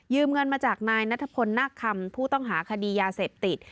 เงินมาจากนายนัทพลนาคคำผู้ต้องหาคดียาเสพติด